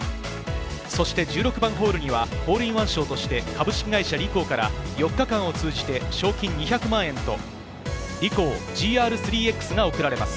そして１６番ホールにはホールインワン賞として株式会社リコーから４日間を通じて賞金２００万円と、ＲＩＣＯＨＧＲ３ｘが贈られます。